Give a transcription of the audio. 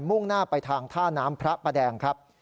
่งหน้าไปทางท่าน้ำพระประแดงครับ